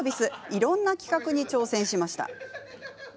いろんな企画に挑戦しました。